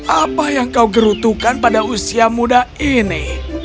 apa yang kau gerutukan pada usia muda ini